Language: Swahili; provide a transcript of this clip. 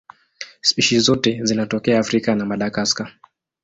Spishi zote zinatokea Afrika na Madagaska.